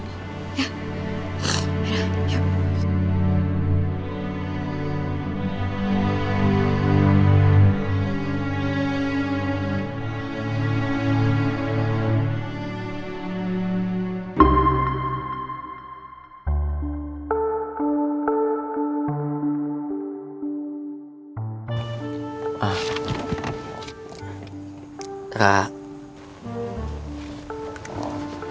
jangan lagi banyak orang disini